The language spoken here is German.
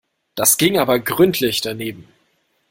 Das ging aber gründlich daneben.